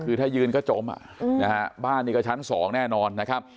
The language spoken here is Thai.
คือถ้ายืนก็จมบ้านนี่ก็ชั้น๒แน่นอนนะครับ